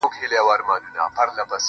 • پر زود رنجۍ باندي مي داغ د دوزخونو وهم.